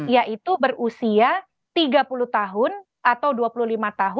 yaitu berusia tiga puluh tahun atau dua puluh lima tahun